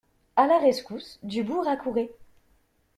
A la rescousse, Dubourg accourait.